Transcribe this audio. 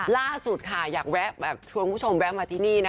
ล่าสุดเราจะชวนคุณผู้ชมแวะมาที่นี่